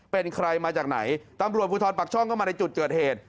เป็นใครมาจากไหนตำรวจภูทรปักช่องก็มาในจุดเกิดเหตุ